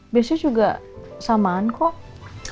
biasanya juga samaan kok